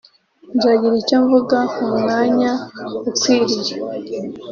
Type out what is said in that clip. nzagira icyo mvuga mu mwanya ukwiriye